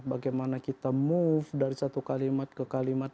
bagaimana kita move dari satu kalimat ke kalimat